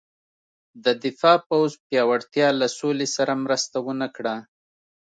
د دفاع پوځ پیاوړتیا له سولې سره مرسته ونه کړه.